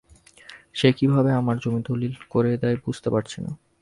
সে কীভাবে আমার জমি দলিল করে দেয় বুঝতে পারছি না।